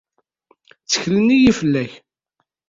Tteklen-iyi fell-ak.